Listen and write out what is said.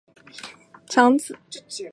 濡须吴氏四世吴景昭之长子。